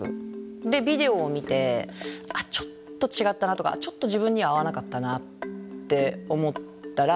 でビデオを見てちょっと違ったなとかちょっと自分には合わなかったなって思ったらそこをアジャストしていく。